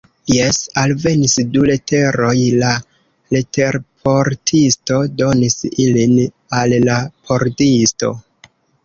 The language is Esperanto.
Jes, alvenis du leteroj, la leterportisto donis ilin al la pordisto.